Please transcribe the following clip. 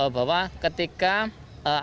bahwa ketika ada